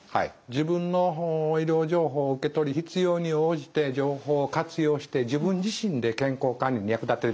自分の医療情報を受け取り必要に応じて情報を活用して自分自身で健康管理に役立てる。